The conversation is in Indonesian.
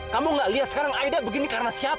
kamu gak lihat sekarang aida begini karena siapa